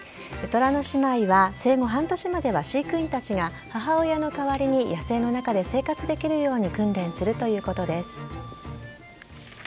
トラの姉妹は生後半年までは飼育員たちが母親の代わりに野生の中で生活できるように訓練するということです。